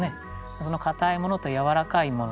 その硬いものと軟らかいもの